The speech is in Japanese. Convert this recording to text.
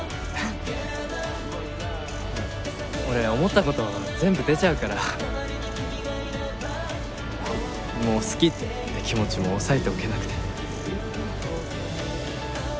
俺思った事全部出ちゃうからもう好きって気持ちも抑えておけなくて。